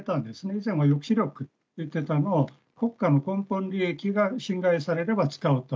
以前は抑止力と言っていたのを国家の根本利益が侵害されれば使うと。